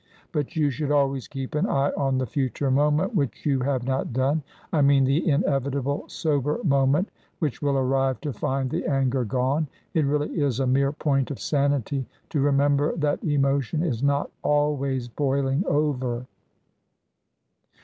But you should always keep an eye on the future moment, which you have not done— I mean the inevitable, sober moment which will arrive to find the anger gone. It really is a mere point of sanity to remember that emotion is not always boiling over."